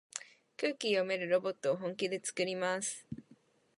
空気読めるロボットを本気でつくります。